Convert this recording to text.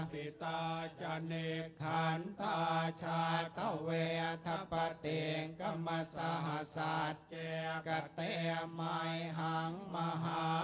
พิตาจันติขันตาชาตเทาเวทัพติงกัมมาสหสัตว์เจกเตมายหังมหา